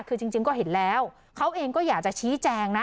คือจริงก็เห็นแล้วเขาเองก็อยากจะชี้แจงนะ